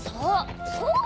そう！